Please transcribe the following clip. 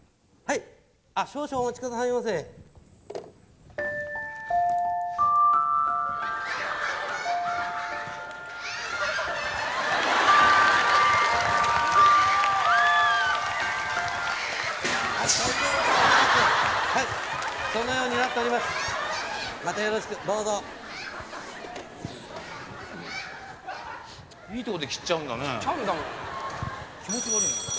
いいとこで切っちゃうんだね。